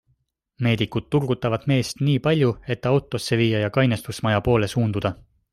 Meedikud turgutavad meest nii palju, et ta autosse viia ja kainestusmaja poole suunduda.